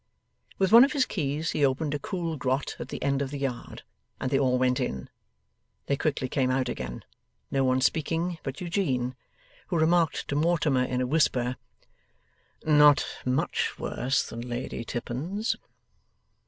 With one of his keys, he opened a cool grot at the end of the yard, and they all went in. They quickly came out again, no one speaking but Eugene: who remarked to Mortimer, in a whisper, 'Not MUCH worse than Lady Tippins.